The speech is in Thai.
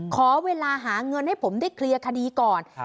ขอเวลาหาเงินให้ผมได้เคลียร์คดีก่อน